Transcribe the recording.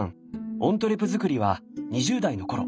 オントゥレ作りは２０代のころ